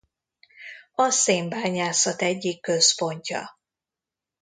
A szénbányászat egyik központja.